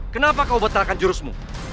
kenapa kau betalkan jurusmu